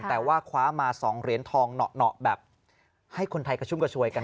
แต่ว่าคว้ามา๒เหรียญทองเหนาะแบบให้คนไทยกระชุ่มกระชวยกัน